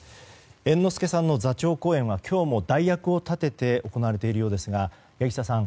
猿之助さんの座長公演は今日も代役を立てて行われているようですが柳下さん